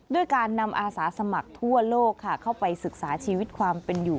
ด้วยการนำอาสาสมัครทั่วโลกค่ะเข้าไปศึกษาชีวิตความเป็นอยู่